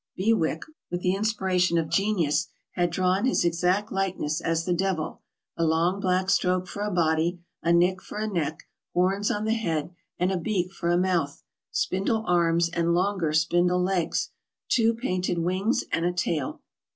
Bewick, with the inspiration of genius, had drawn his exact likeness as the devil — a long black stroke for a body, a nick for a neck, horns on the head, and a beak for a mouth, spindle arms, and longer spindle legs, two pointed wings, and a tail.